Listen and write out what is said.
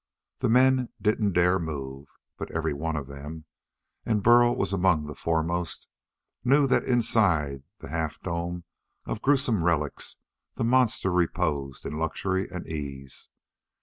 The men didn't dare move. But every one of them and Burl was among the foremost knew that inside the half dome of gruesome relics the monster reposed in luxury and ease.